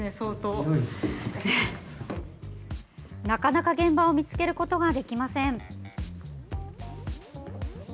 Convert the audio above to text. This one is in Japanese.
なかなか現場を見つけることができません。